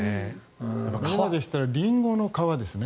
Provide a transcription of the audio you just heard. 今でしたらリンゴの皮ですね。